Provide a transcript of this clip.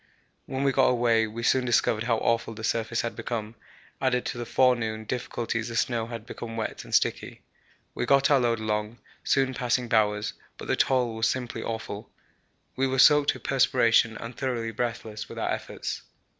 When we got away we soon discovered how awful the surface had become; added to the forenoon difficulties the snow had become wet and sticky. We got our load along, soon passing Bowers, but the toil was simply awful. We were soaked with perspiration and thoroughly breathless with our efforts.